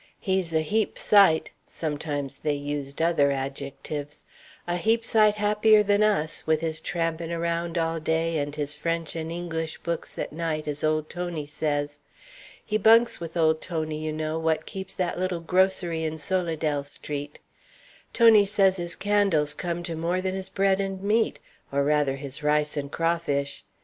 He's a heap sight" sometimes they used other adjectives "a heap sight happier than us, with his trampin' around all day and his French and English books at night, as old Tony says. He bunks with old Tony, you know, what keeps that little grocery in Solidelle Street. Tony says his candles comes to more than his bread and meat, or, rather, his rice and crawfish.